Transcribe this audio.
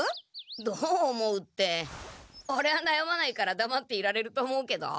どう思うってオレはなやまないからだまっていられると思うけど。